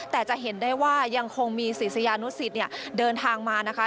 แต่จะเห็นได้ว่ายังคงมีสิทธิ์สยานุสิทธิ์เดินทางมานะคะ